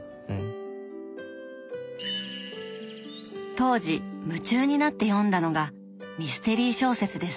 当時夢中になって読んだのがミステリー小説です。